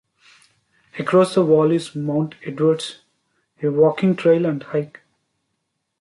Across the wall is Mount Edwards - a walking trail and hike.